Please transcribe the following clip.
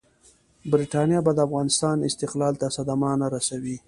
برټانیه به د افغانستان استقلال ته صدمه نه رسوي.